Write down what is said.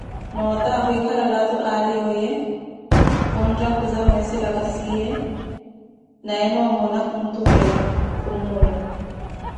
Noo ota kwikala laato ariwo ye, kunthakhuza amwessaka siye naye noo'omona khuntuvela khumuura